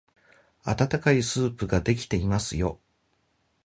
あたたかいスープができていますよ。